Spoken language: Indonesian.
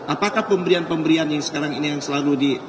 apakah pemberian pemberian yang sekarang ini yang selalu di